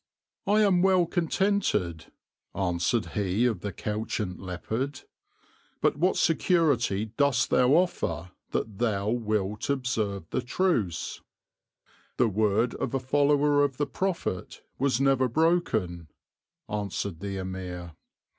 "I am well contented," answered he of the Couchant Leopard; "but what security dost thou offer that thou wilt observe the truce?" "The word of a follower of the Prophet was never broken," answered the Emir.